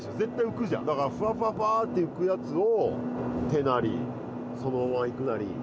だからふわふわふわって浮くやつを手なりそのままいくなり。